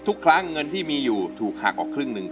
ทุกครั้งเงินที่มีอยู่ถูกหักออกครึ่งหนึ่ง